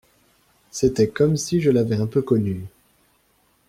C’était comme si je l’avais un peu connue.